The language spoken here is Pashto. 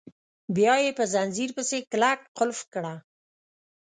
بیا یې په ځنځیر پسې کلک قلف کړه.